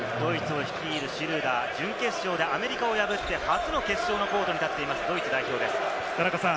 ドイツを率いるシュルーダー、準決勝でアメリカを破って初の決勝のコートに立っています、ドイツ代表です。